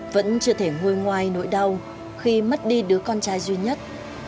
vẫn chưa thể ngôi ngoài nỗi đau khi mất đi đứa con trai duy nhất